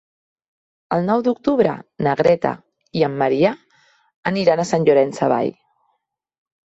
El nou d'octubre na Greta i en Maria aniran a Sant Llorenç Savall.